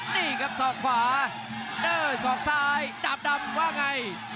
นี่ครับศอกขวาเด้อสอกซ้ายดาบดำว่าไง